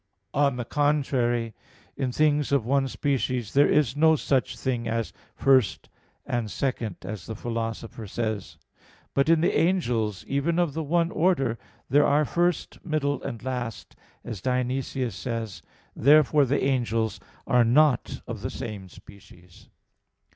On the contrary, In things of one species there is no such thing as "first" and "second" [prius et posterius], as the Philosopher says (Metaph. iii, text 2). But in the angels even of the one order there are first, middle, and last, as Dionysius says (Hier. Ang. x). Therefore the angels are not of the same species.